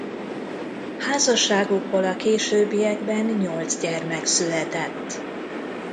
Házasságukból a későbbiekben nyolc gyermek született.